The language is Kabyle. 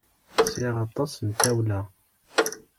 Sɛiɣ aṭas n tawla.